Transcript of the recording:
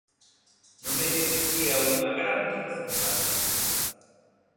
No medio existía unha gran torre central.